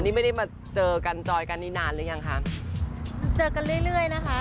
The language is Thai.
นี่ไม่ได้มาเจอกันจอยกันนี่นานหรือยังคะเจอกันเรื่อยเรื่อยนะคะ